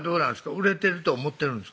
売れてると思ってるんですか？